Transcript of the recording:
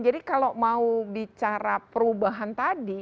jadi kalau mau bicara perubahan tadi